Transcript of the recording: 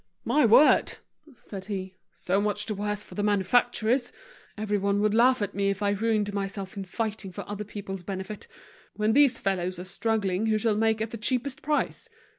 "My word," said he, "so much the worse for the manufacturers! Everyone would laugh at me if I ruined myself in fighting for other people's benefit, when these fellows are struggling who shall make at the cheapest price!